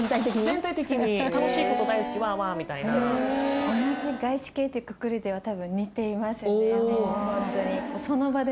全体的に楽しいこと大好きワーワーみたいな同じ外資系っていうくくりでは多分似ていますね